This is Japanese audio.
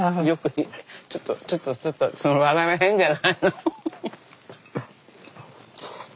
ちょっとちょっとちょっとその笑いは変じゃないの。